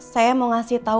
saya mau ngasih tau